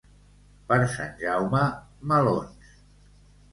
Per Sant Jaume, melons.